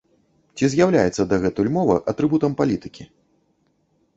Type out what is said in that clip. Ці з'яўляецца дагэтуль мова атрыбутам палітыкі?